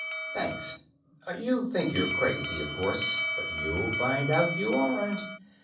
Thanks. You think you're crazy, of course, but you'll find out you aren't.